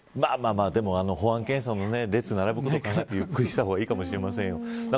でも保安検査の列を並ぶこと考えたらゆっくりした方がいいかもしれません。